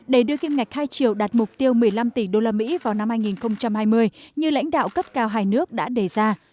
để đưa kim ngạch hai triệu đạt mục tiêu một mươi năm tỷ usd vào năm hai nghìn hai mươi như lãnh đạo cấp cao hai nước đã đề ra